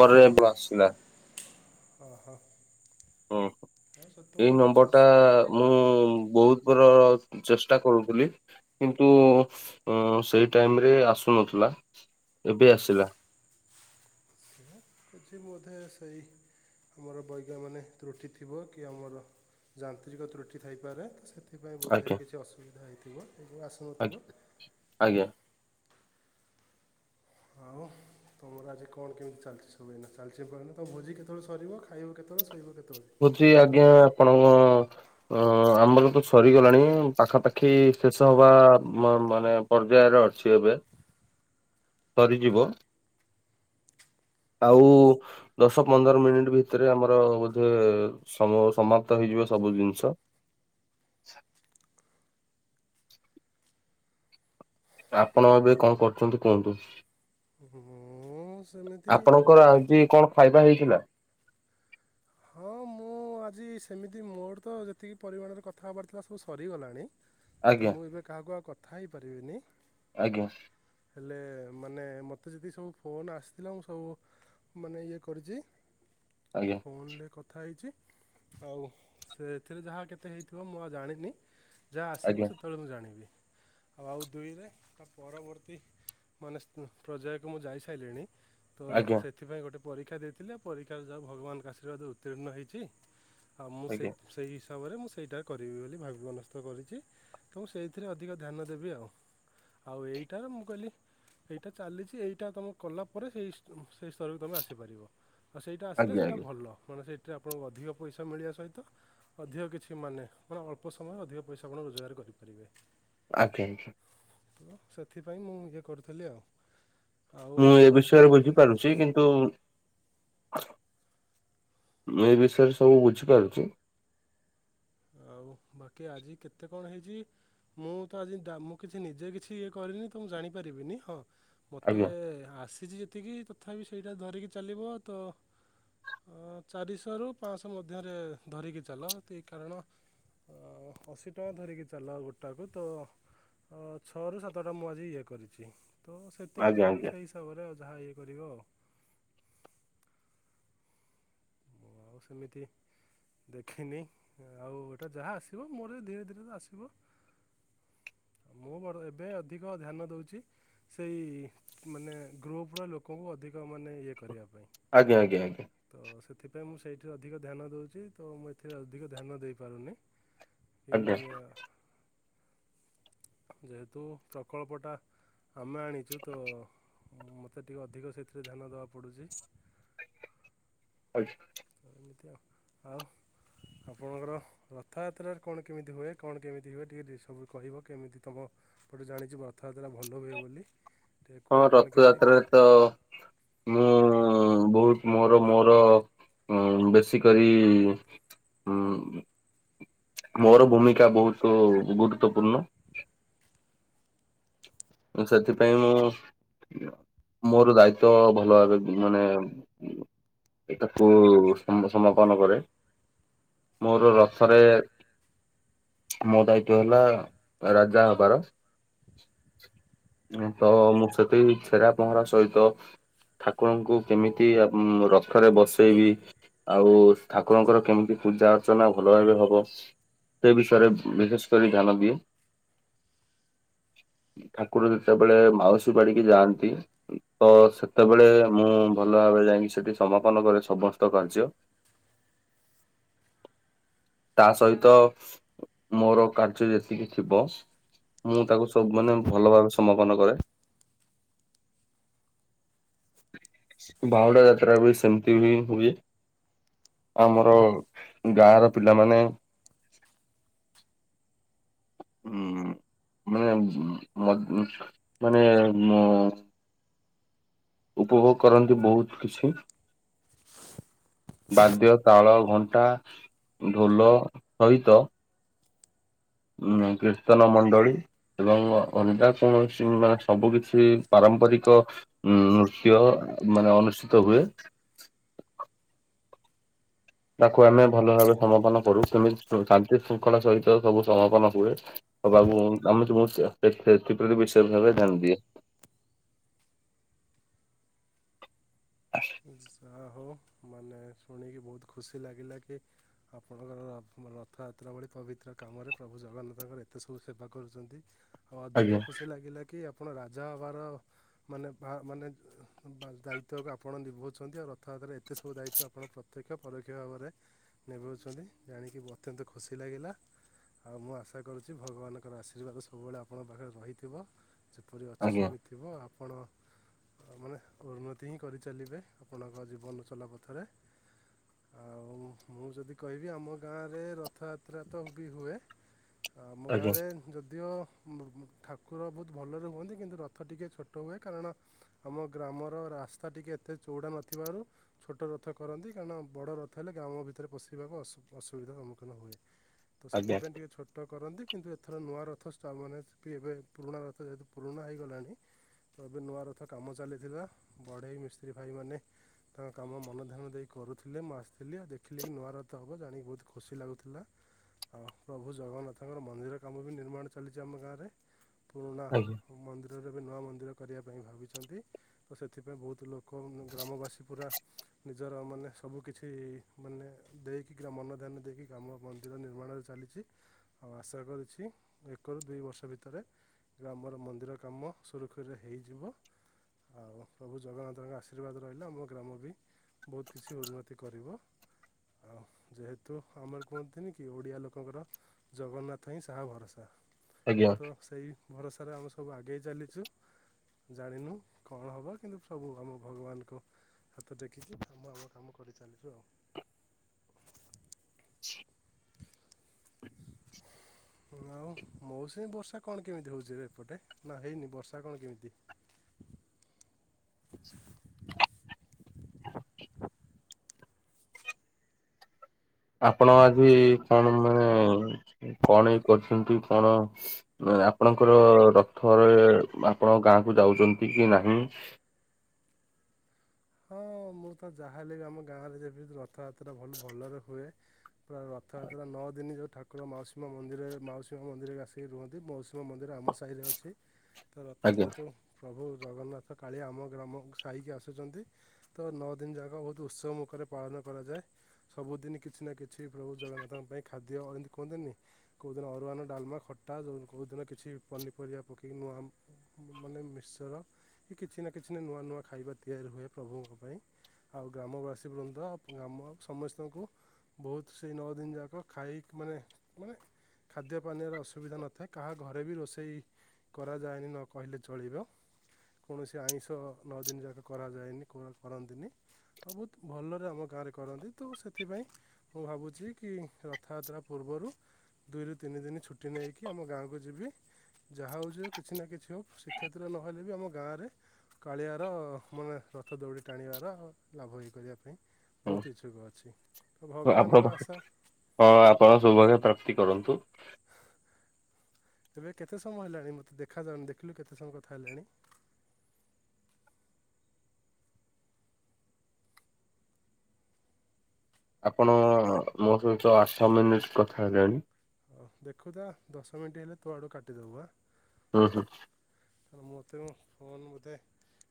ବରରେ ପଶିଲା। ଓହୋ ଆଉ ହୁଁ ଏଇ ସେତେବେଳେ କିଛି ନମ୍ବର ଟା ଅସୁ ମୁଁ ବହୁତ ଥର ଚେଷ୍ଟା କରୁଥିଲି କିନ୍ତୁ ସେଇ ଟାଇମରେ ଆସୁନଥିଲା ଏବେ ଆସିଲା। କିଛି ବୋଧେ ସେଇ ଆମର ବୈଜ୍ଞନମାନେ ତ୍ରୁଟି ଥିବ କି ଆମର ଯାନ୍ତ୍ରିକ ତ୍ରୁଟି ଥାଇପାରେ ସେଥି ଏବେ ଆଜ୍ଞା। ବୋଧେ କିଛି ଅସୁବିଧା ହୋଇଥିବ ଏବଂ ଆଜ୍ଞା ଆସୁନଥିବ ଆଜ୍ଞା। ଆଉ ତମର ଆଜି କଣ କେମିତି ଚାଲିଛି ସବୁ ଏଇନା ଚାଲିଛି ଏପର୍ଯ୍ୟନ୍ତ ଭୋଜି କେତେବେଳେ ସରିବ ଖାଇବ କେତେବେଳେ ଶୋଇବ କେତେ ତ ଏଠି ଆଜ୍ଞା ଆପଣଙ୍କ ଅ ଆମର ତ ସରିଗଲାଣି ପାଖାପାଖି ଶେଷ ହବା ମ ମାନେ ପର୍ଯ୍ୟାୟରେ ଅଛି ଏବେ ସରିଯିବ ଆଉ ଦଶ ପନ୍ଦର ମିନିଟ୍ ଭିତରେ ଆମର ବୋଧେ ସମ ସମାପ୍ତ ହେଇଯିବ ସବୁ ଜିନିଷ ଆପଣ ଏବେ କଣ କରୁଛନ୍ତି କୁହନ୍ତୁ? ମୁଁ ସେମିତି ଆପଣଙ୍କର ଆଜି କଣ ଖାଇବା ହେଇଥିଲା? ହଁ ମୁଁ ମୁଁ ଆଜି ସେମିତି ମୋର ତ ଯେତିକି ପରିମାଣରେ କଥା ହେବାର୍ ଥିଲା ସବୁ ସରିଗଲାଣି ମୁଁ ତ ଆଜ୍ଞା ମୁଁ ଏବେ କାହାକୁ ଆଉ କଥା ହେଇପାରିବିନି ଆଜ୍ଞା ହେଲେ ମାନେ ମୋତେ ଯଦି ସବୁ ଫୋନ ଆସିଥିଲା ମୁଁ ସବୁ ମାନେ ଇଏ କରିଚି ଆଜ୍ଞା। ଫୋନରେ କଥା ହେଇଛି ହଉ ସେଥିରେ ଯାହା କେତେ ହେଇଥିବ ମୁଁ ଆଉ ଜାଣିନି ଯାହା ଆଜ୍ଞା ଆସିବ ସେତେବେଳେ ମୁଁ ଜାଣିବି ଆଉ ଦୁଇରେ ପରବର୍ତ୍ତୀ ମାନେ ପର୍ଯ୍ୟାୟକୁ ମୁଁ ଯାଇସାଇଲିଣି ତ ଆଜ୍ଞା ସେଥିପାଇଁ ଗୋଟେ ପରୀକ୍ଷା ଦେଇଥିଲେ ପରୀକ୍ଷାରେ ଯାହା ଭଗବାନଙ୍କ ଆଶୀର୍ବାଦ ଉତ୍ତୀର୍ଣ୍ଣ ହେଇଛି। ଆଉ ମୁଁ ଆଜ୍ଞା ସେଇ ସେଇ ହିସାବରେ ମୁଁ ସେଇଟା କରିବି ବୋଲି ଭାବି ମନସ୍ଥ କରିଛି ତ ମୁଁ ସେଇଥିରେ ଅଧିକ ଧ୍ୟାନ ଦେବି ଆଉ ଆଉ ଏଇଟା ମୁଁ କହିଲି ଏଇଟା ଚାଲିଛି ଏଇଟା ତମେ କଲା ପରେ ସେଇ ସେଇ ସ୍ତରକୁ ତମେ ଆସିପାରିବ। ଆଉ ସେଇଟା ଆସିଲେ ଆଜ୍ଞା ସେଇଟା ଆଜ୍ଞା ଭଲ ମାନେ ସେଇଥିରେ ଆପଣଙ୍କୁ ଅଧିକ ପଇସା ମିଳିବା ସହିତ ଅଧିକ କିଛି ମାନେ ଅଳ୍ପ ସମୟ ଅଧିକ ପଇସା ଆପଣ ରୋଜଗାର କରିପାରିବେ। ଆଙ୍ଗେ। ସେଥିପାଇଁ ମୁଁ ଇଏ କରୁଥିଲି ଆଉ ଆଉ ମୁଁ ଏ ବାକି ବିଷୟରେ ବୁଝିପାରୁଛି କିନ୍ତୁ ମୁଁ ଏ ବିଷୟରେ ସବୁ ବୁଝିପାରୁଛି। ଆଉ ବାକି ଆଜି କେତେ କଣ ହେଇଛି? ମୁଁ ତ ଆଜି ମୁଁ କିଛି ନିଜେ କିଛି ଇଏ କରିନି ତ ମୁଁ ଜାଣିପାରିବିନି ହଁ। ମୋତେ ଆଜ୍ଞା ଆସିଛି ଯେତିକି ତଥାପି ସେଇଟା ଧରିକି ଚାଲିବ ତ ଚାରିଶହରୁ ପାଞ୍ଚଶହ ମଧ୍ୟରେ ଧରିକି ଚାଲ କାରଣ ଅଶୀ ଟଙ୍କା ଧରିକି ଚାଲ ଗୋଟାକୁ ତ ହଁ ଛଅରୁ ସାତଟା ମୁଁ ଆଜି ଇଏ କରିଛି। ତ ସେତିକି ଆଜ୍ଞା ଧରିକି ଆଜ୍ଞା ସେଇ ହିସାବରେ ଆଉ ଯାହା ଇଏ କରିବ ଆଉ ମୁଁ ଆଉ ସେମିତି ଦେଖିନି ଆଉ ଏଇଟା ଯାହା ଆସିବ ମୋର ଧୀରେ ଧୀରେ ତ ଆସିବ। ମୁଁ ବ ଏବେ ଅଧିକ ଧ୍ୟାନ ଦେଉଛି ସେଇ ମାନେ ଗ୍ରୁପର ଲୋକଙ୍କୁ ଅଧିକ ମାନେ ଇଏ କରିବା ପାଇଁ। ଆଜ୍ଞା ଆଜ୍ଞା ଆଜ୍ଞା। ତ ସେଥିପାଇଁ ମୁଁ ସେଇଠରେ ଅଧିକ ଧ୍ୟାନ ଦେଉଛି ତ ମୁଁ ଏଥିରେ ଅଧିକ ଧ୍ୟାନ ଦେଇପାରୁନି। ଏ ଆଜ୍ଞା ମାନେ ଯେହେତୁ ପ୍ରକଳ୍ପଟା ଆମେ ଆଣିଛୁ ତ ମୋତେ ଟିକିଏ ଅଧିକ ସେଥିରେ ଧ୍ୟାନ ଦେବା ପଡ଼ୁଛି। [unintelligible] ଏମିତି ଆଉ ଆଉ ଆପଣଙ୍କର? ରଥଯାତ୍ରାରେ କଣ କେମିତି ହୁଏ କଣ କେମିତି ହୁଏ ଟିକେ ସବୁ କହିବ କେମିତି ତମ ସେପଟୁ ଜାଣିଛି ରଥଯାତ୍ରା ଭଲ ହୁଏ ବୋଲି। ଟିକେ ହଁ କୁହ କ'ଣ କେମିତି ରଥଯାତ୍ରାରେ ତ ମୁଁ ବହୁତ ମୋର ମୋର ବେଶୀକରି ଉ ମୋର ଭୂମିକା ବହୁତ ଗୁରୁତ୍ୱପୂର୍ଣ୍ଣ। ସେଥିପାଇଁ ମୁଁ ମୋର ଦାୟିତ୍ଵ ଭଲ ଭାବେ ମାନେ ଏଇଟାକୁ ସମ ସମାପନ କରେ। ମୋର ରଥରେ ମୋ ଦାୟିତ୍ୱ ହେଲା ରାଜା ହେବାର ତ ମୁଁ ସେଠି ଛେରା ପହଁରା ସହିତ ଠାକୁରଙ୍କୁ କେମିତି ରଥରେ ବସେଇବି ଆଉ ଠାକୁରଙ୍କର କେମିତି ପୂଜା ଅର୍ଚ୍ଚନା ଭଲ ଭାବେ ହବ ସେ ବିଷୟରେ ବିଶେଷ କରି ଧ୍ୟାନ ଦିଏ। ଠାକୁର ଯେତେବେଳେ ମାଉସୀ ପାଡିକି ଯାଆନ୍ତି ତ ସେତେବେଳେ ମୁଁ ଭଲ ଭାବରେ ଯାଇକି ସେଠି ସମାପନ କରେ ସମସ୍ତ କାର୍ଯ୍ୟ। ତା ସହିତ ମୋର କାର୍ଯ୍ୟ ଯେତିକି ଥିବ ମୁଁ ତାକୁ ସବୁ ମାନେ ଭଲ ଭାବେ ସମାପନ କରେ। ବାହୁଡା ଯାତ୍ରା ବି ସେମତି ବି ହୁଏ। ଆମର ଗାଁ ର ପିଲାମାନେ ଉ ମାନେ ମ ମାନେ ମୋ ଉପଭୋଗ କରନ୍ତି ବହୁତ କିଛି। ବାଦ୍ୟ, ତାଳ, ଘଣ୍ଟା, ଢୋଲ ସହିତ ଉଁ କୀର୍ତ୍ତନ ମଣ୍ଡଳୀ ଏବଂ ଅଲଗା କୌଣସି ମାନେ ସବୁ କିଛି ପାରମ୍ପରିକ ଉଁ ନୃତ୍ୟ ମାନେ ଅନୁଷ୍ଠିତ ହୁଏ। ତାକୁ ଆମେ ଭଲ ଭାବେ ସମାପନ କରୁ କେମିତି ଶାନ୍ତି ଶୃଙ୍ଖଳା ସହିତ ସବୁ ସମାପନ ହୁଏ। ହବାକୁ ଆମେ ତ ମୁଁ ସେଥିପ୍ରତି ବିଶେଷ ଭାବେ ଧ୍ୟାନ ଦିଏ। ଯା ହଉ ମାନେ ଶୁଣିକି ବହୁତ ଖୁସି ଲାଗିଲା କି ଆପଣଙ୍କର ରଥଯାତ୍ରା ଭଳି ପବିତ୍ର କାମରେ ପ୍ରଭୁ ଜଗନ୍ନାଥଙ୍କର ଏତେ ସବୁ ସେବା କରୁଛନ୍ତି। ଆଉ ଅଧିକ ଆଜ୍ଞା ଖୁସି ଲାଗିଲା କି ଆପଣ ରାଜା ହେବାର ମାନେ ମାନେ ଦାୟିତ୍ୱକୁ ଆପଣ ନିଭାଉଛନ୍ତି ଆଉ ରଥଯାତ୍ରାରେ ଏତେ ସବୁ ଦାୟିତ୍ୱ ଆପଣ ପ୍ରତ୍ୟକ୍ଷ ପରୋକ୍ଷ ଭାବରେ ନିଭଉଛନ୍ତି ଜାଣିକି ଅତ୍ୟନ୍ତ ଖୁସି ଲାଗିଲା। ଆଉ ମୁଁ ଆଶା କରୁଛି ଭଗବାନଙ୍କର ଆଶୀର୍ବାଦ ସବୁବେଳେ ଆପଣଙ୍କ ପାଖରେ ରହିଥିବ। ଯେପରି ଅଛି ଆଜ୍ଞା ସେମିତି ଥିବ ଆପଣ ମାନେ ଉନ୍ନତି ହିଁ କରି ଚାଲିବେ ଆପଣଙ୍କ ଜୀବନ ଚଲା ପଥରେ ଆଉ ମୁଁ ଯଦି କହିବି ଆମ ଗାଁରେ ରଥଯାତ୍ରା ତ ବି ହୁଏ ଆମ ଆଜ୍ଞା ଗାଁରେ ଯଦିଓ ଠାକୁର ବହୁତ ଭଲରେ ହୁଅନ୍ତି କିନ୍ତୁ ରଥ ଟିକିଏ ଛୋଟ ହୁଏ କାରଣ ଆମ ଗ୍ରାମର ରାସ୍ତା ଟିକେ ଏତେ ଚଉଡା ନଥିବାରୁ ଛୋଟ ରଥ କରନ୍ତି କାରଣ ବଡ଼ ରଥ ହେଲେ ଗ୍ରାମ ଭିତରେ ପଶିବାକୁ ଅସୁ ଅସୁବିଧାର ସମ୍ମୁଖୀନ ହୁଏ। ତ ଆଜ୍ଞା ସେଥିପାଇଁ ଟିକେ ଛୋଟ କରନ୍ତି। କିନ୍ତୁ ଏଥର ନୂଆ ରଥଷ୍ଟ ମାନେ ବି ଏବେ ପୁରୁଣା ରଥ ଯେହେତୁ ପୁରୁଣା ହେ ହୋଇଗଲାଣି। ତ ଏବେ ନୂଆ ରଥ କାମ ଚାଲିଥିଲା ବଢେଇ ମିସ୍ତ୍ରୀ ଭାଇମାନେ ତାଙ୍କ କାମ ମନ ଧ୍ୟାନ ଦେଇ କରୁଥିଲେ ମୁଁ ଆସିଥିଲି ଆଉ ଦେଖିଲି କି ନୂଆର ତ ହେବ ଜାଣିକି ବହୁତ ଖୁସି ଲାଗୁଥିଲା। ଆଉ ପ୍ରଭୁ ଜଗନ୍ନାଥଙ୍କର ମନ୍ଦିର କାମ ବି ନିର୍ମାଣ ଚାଲିଚି ଆମ ଗାଁରେ। ପୁରୁଣା ଆଜ୍ଞା ମନ୍ଦିରରେବି ନୂଆ ମନ୍ଦିର କରିବା ପାଇଁ ଭାବିଛନ୍ତି। ତ ସେଥିପାଇଁ ବହୁତ ଲୋକ ଆମ ଗ୍ରାମବାସୀ ପୁରା ନିଜର ମାନେ ସବୁ କିିଛି ମାନେ ଦେଇକି କି ଗ୍ରା ମନ ଧ୍ୟାନ ଦେଇକି ଗ୍ରାମ ମନ୍ଦିର ନିର୍ମାଣରେ ଚାଲିଛି ଆଉ ଆଶା କରିଛି ଏକରୁ ଦୁଇ ବର୍ଷ ଭିତରେ ଗ୍ରାମର ମନ୍ଦିର କାମ ସୁରୁଖୁରୁରେ ହେଇଯିବ ଆଉ। ପ୍ରଭୁ ଜଗନ୍ନାଥଙ୍କ ଆଶୀର୍ବାଦ ରହିଲେ ଆମ ଗ୍ରାମ ବି ବହୁତ କିଛି ଉନ୍ନତି କରିବ। ଆଉ ଯେହେତୁ ଆମର କୁହନ୍ତିନି କି ଓଡ଼ିଆ ଲୋକଙ୍କର। ଜଗନ୍ନାଥ ହିଁ ସାହା ଭରସା ଆଜ୍ଞା ତ ସେଇ ଭରସାରେ ଆମେ ସବୁ ଆଗେଇ ଚାଲିଛୁ ଜାଣିନୁ କଣ ହେବ। କିନ୍ତୁ ପ୍ରଭୁ ସବୁ ଆମ ଭଗବାନଙ୍କ ହାତ ଟେକିକି କାମ ଆମ କାମ କରିଚାଲିଚୁ ଆଉ। ଆଉ ମୌସୁମୀ ବର୍ଷା କଣ କେମିତି ହଉଚି ରେ ଏପଟେ ନା ହେଇନି ବର୍ଷା କଣ କେମିତି? ଆପଣ ଆଜି କଣ ମାନେ କଣ ଇ କରିଚନ୍ତି କଣ? ଆପଣଙ୍କର ରଥରେ ଆପଣ ଗାଁକୁ ଯାଉଛନ୍ତି କି ନାହିଁ। ହଁ ମୁଁ ତ ଯାହା ହେଲେ ବି ଆମ ଗାଁରେ ଯେମି ରଥଯାତ୍ରା ଭଲ ଭଲରେ ହୁଏ। ପୁରା ରଥଯାତ୍ରା ନଅ ଦିନ ଯଉ ଠାକୁର ମାଉସୀ ମନ୍ଦିର ମାଉସୀ ମା ମନ୍ଦିରରେ ଆସିକି ରୁହନ୍ତି ମାଉସୀ ମନ୍ଦିର ଆମ ସାହିରେ ଅଛି। ତର ଆଜ୍ଞା ଯେହେତୁ ପ୍ରଭୁ ଜଗନ୍ନାଥ କାଳିଆ ଆମ ଗ୍ରାମ ସାହିକି ଆସୁଚନ୍ତି। ତ ନଅ ଦିନ ଯାକ ବହୁତ ଉତ୍ସବ ମୁଖରେ ପାଳନ କରାଯାଏ। ସବୁଦିନ କିଛି ନା କିଛି ପ୍ରଭୁ ଜଗନ୍ନାଥଙ୍କ ପାଇଁ ଖାଦ୍ୟ ଏନ୍ତି କୁହନ୍ତିନି। କୋଉଦିନ ଅରୁଆନ ଡାଲମା ଖଟା ଯୋଉ କଉଦିନ କିଛି ପନିପରିବା ପକେଇକି ନୂଆ ମାନେ ମଶ୍ଚର କି କିଛି ନା କିଛି ନା ନୂଆ ନୂଆ ଖାଇବା ତିଆରି ହୁଏ ପ୍ରଭୁଙ୍କ ପାଇଁ। ଆଉ ଗ୍ରାମବାସୀ ବୃନ୍ଦ ଗ୍ରାମ ସମସ୍ତଙ୍କୁ ବହୁତ ସେଇ ନଅ ଦିନ ଯାକ ଖାଇକି ମାନେ ମାନେ ଖାଦ୍ୟପାନୀୟର ଅସୁବିଧା ନଥାଏ କାହା ଘରେ ବି ରୋଷେଇ କରାଯାଏନି ନ କହିଲେ ଚଳିବ କୌଣସି ଆଇଁଷ ନଅ ଦିନ ଯାକ କରାଯାଏନି। କର କରନ୍ତିନି ଆଉ ବହୁତ ଭଲରେ ଆମ ଗାଁରେ କରନ୍ତି ତ ସେଥିପାଇଁ ମୁଁ ଭାବୁଛି କି ରଥ ଆତ୍ରା ପୂର୍ବରୁ ଦୁଇରୁ ତିନି ଦିନି। ଛୁଟି ନେଇକି ଆମ ଗାଁକୁ ଯିବି। ଯାହା ହୋଉଛି ହୋଉ କିଛି ନା କିଛି ହୋଉ ଶ୍ରୀକ୍ଷେତ୍ର ନହେଲେ ବି ଆମ ଗାଁରେ। କାଳିଆାର ମାନେ ରଥ ଦୌଡ଼ି ଟାଣିବାର ଲାଭ ହେଇ କରିବା ପାଇଁ। ବହୁତ ହଁ ଇଚ୍ଛୁକ ଅଛି। ଆପଣ ଭଗବାନଙ୍କ ଆଶା। ହଁ ଆପଣ ସୌଭାଗ୍ୟ ପ୍ରାପ୍ତି କରନ୍ତୁ। ତେବେ କେତେ ସମୟ ହେଲାଣି ମୋତେ ଦେଖାଯାଉନି ଦେଖିଲୁ କେତେ ସମୟ କଥା ହେଲାଣି। ଆପଣ ମୋ ସହିତ ଆଠ ମିନିଟ୍ କଥା ହେଲେଣି। ହଉ ଦେଖୁ ଥା ଦଶ ମିନିଟ୍ ହେଲେ ତୋ ଆଡ଼ୁ କାଟିଦବୁ ଆ। ହୁଁ ହୁଁ। କାରଣ ମୋତେନ ଫୋନ ମତେ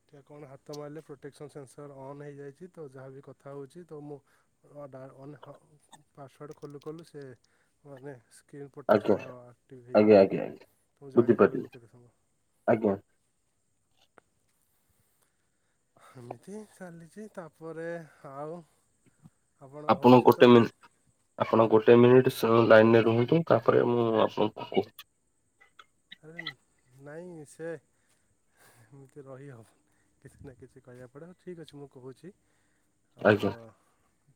ଟିକେ କଣ ହାତ ମାରିଲେ ପ୍ରୋଟେକ୍ସନ୍ ସେନ୍ସର ଅନ୍ ହେଇଯାଇଚି ତ ଯାହାବି କଥା ହେଉଛି ତ ମୁଁ ଅ ଦାଡ଼୍ ଅନ୍ ହ ପାସୱାର୍ଡ଼୍ ଖୋଲୁ ଖୋଲୁ ସେ ମାନେ କିନ୍ ଆଜ୍ଞା ପୋଟେକ୍ସନ୍ ଆକ୍ଟିଭ୍ ଆଜ୍ଞା ଆଜ୍ଞା ହେଇଯାଉଚି। ଆଜ୍ଞା। ତ ମୁଁ ବୁଝିପାରିଲି ଜାଣିପାରୁନି କେତେ ସମୟ। ଆଜ୍ଞା। ଏମିତି ଚାଲିଚି ତାପରେ ଆଉ ଆପଣ ଗୋଟେ ମିନ୍ ଆପଣ ଗୋଟେ ମିନିଟ୍ ସ ଲାଇନ୍ ରେ ରୁହନ୍ତୁ ତାପରେ ମୁଁ ଆପଣଙ୍କୁ କୋହୁଚି। ଆରେ ନାଇଁ ସେ ଏମିତି ରହିହ କିଛି ନାଁ କିଛି କହିବା ପଡ଼ିଅ ଠିକ୍ ଅଛି ମୁଁ କୋହୁଛି। ଆମର ଆଜ୍ଞା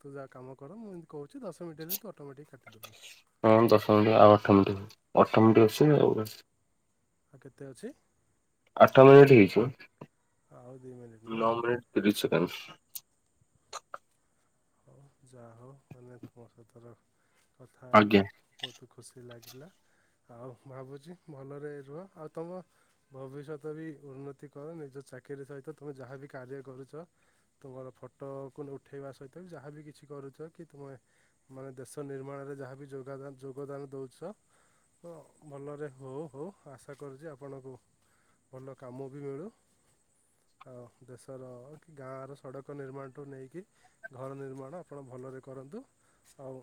ତୁ ଯା କାମ କର ମୁଁ ଏମିତି କୋହୁଚି ଦଶ ମିଣ୍ଟି ହେଲେ ତୁ ଅଟୋମେଟିକ୍ କାଟିଦୋବୁ। ହଁ ଦଶ ମିଣ୍ଟି ଆଉ ଆଠ ମିଣ୍ଟି ହୋଉ ଆଠ ମିଣ୍ଟି ଅଛି ଆଉ। ଆଉ କେତେ ଅଛି ଆଠ ମିନିଟ୍ ହେଇଛି ବା ଆଉ ଦୁଇ ମିନିଟ୍ ନା ନଅ ମିନିଟ୍। ତିରି ଛେକେନ୍। ଅଉ ଯା ହଉ ମାନେ ତୁମ ସଇତର କଥା ଆଜ୍ଞା। ହେଲି। ବୋହୁତ ଖୁସି ଲାଗିଲା ଆଉ ଭାବୁଚି ଭଲରେ ରୁହ। ଆଉ ତମ ଭବିଷ୍ୟତ ବି ଉନ୍ନତି କର ନିଜ ଚାକିରୀ ସହିତ ତୁମେ ଯାହା ବି କାର୍ଯ୍ୟ କରୁଚ ତୁମର ଫଟକୁଲ୍ ଉଠେଇବା ସହିତ ବି ଯାହା ବି କିଛି କରୁଚ କି ତୁମେ ମାନେ ଦେଶ ନିର୍ମାଣରେ ଯାହା ବି ଯୋଗାଦାନ୍ ଯୋଗଦାନ ଦୋଉଚ ହୋ ଭଲରେ ହୋ ହୋ ଆଶା କରୁଚି ଆପଣଙ୍କୁ ଭଲ କାମ ବି ମିଳୁ। ଆଉ ଦେଶର କି ଗାଁର ସଡ଼କ ନିର୍ମାଣଠୁ ନେଇକି ଘର ନିର୍ମାଣ ଆପଣ ଭଲରେ କରନ୍ତୁ ସଉ